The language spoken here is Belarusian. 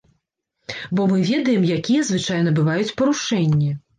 Бо мы ведаем, якія звычайна бываюць парушэнні.